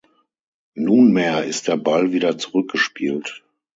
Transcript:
Nunmehr ist der Ball wieder zurückgespielt.